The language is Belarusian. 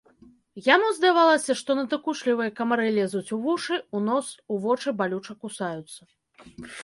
Яму здавалася, што надакучлівыя камары лезуць у вушы, у нос, у вочы, балюча кусаюцца.